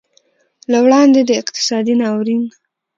له وړاندې د اقتصادي ناورین